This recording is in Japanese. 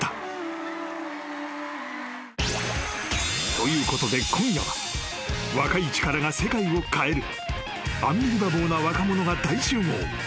［ということで今夜は若い力が世界を変えるアンビリバボーな若者が大集合］